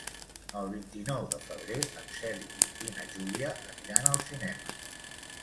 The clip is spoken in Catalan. El vint-i-nou de febrer en Sergi i na Júlia aniran al cinema.